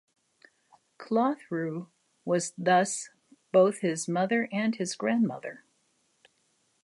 Clothru was thus both his mother and his grandmother.